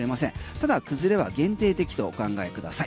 ただ崩れは限定的とお考えください。